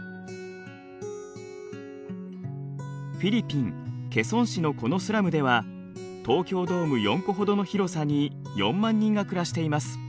フィリピン・ケソン市のこのスラムでは東京ドーム４個ほどの広さに４万人が暮らしています。